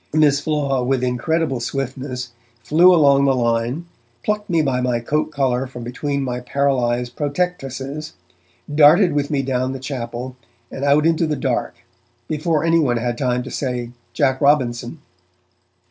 Miss Flaw, with incredible swiftness, flew along the line, plucked me by the coat collar from between my paralysed protectresses, darted with me down the chapel and out into the dark, before anyone had time to say 'Jack Robinson'.